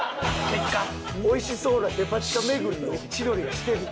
おいしそうなデパ地下巡りのロケ千鳥がしてる。